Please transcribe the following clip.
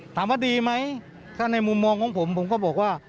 ถามว่าดีไหมถ้าในมุมมองของผมผมก็บอกว่า